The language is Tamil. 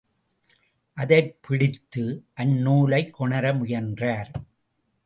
அதைப்பிடித்து, அந்நூலைக் கொணர முயன்றனர்.